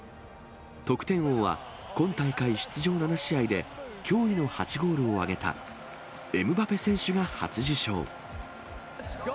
得点王は、今大会出場７試合で、驚異の８ゴールを挙げたエムバペ選手が初受賞。